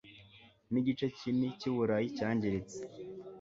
n'igice kini cy'uburayi cyangiritse